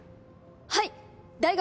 はい大学